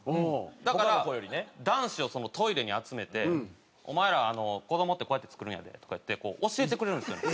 だから男子をトイレに集めて「お前ら子どもってこうやって作るんやで」とか言って教えてくれるんですよね。